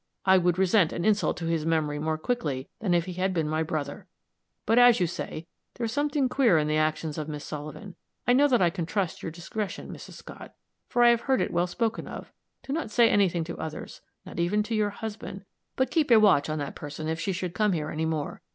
I would resent an insult to his memory more quickly than if he had been my brother. But, as you say, there is something queer in the actions of Miss Sullivan. I know that I can trust your discretion, Mrs. Scott, for I have heard it well spoken of; do not say any thing to others, not even to your husband, but keep a watch on that person if she should come here any more.